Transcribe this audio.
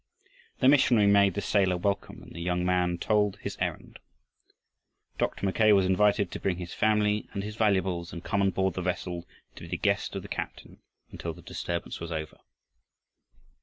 The missionary made the sailor welcome and the young man told his errand. Dr. Mackay was invited to bring his family and his valuables and come on board the vessel to be the guest of the captain until the disturbance was over.